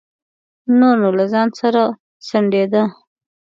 نور نو له ځانه سره سڼېده.